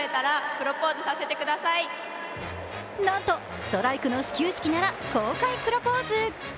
なんと、ストライクの始球式なら公開プロポーズ。